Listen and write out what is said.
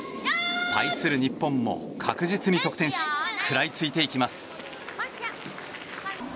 対する日本も確実に得点し食らいついていきます。